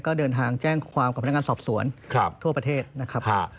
ก็เดินทางแจ้งความกับพนักงานสอบสวนทั่วประเทศนะครับ